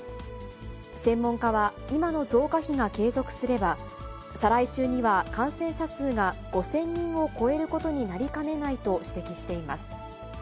専門家は、今の増加比が継続すれば、再来週には感染者数が５０００人を超えることになりかねないと指摘しています。